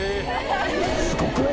すごくない？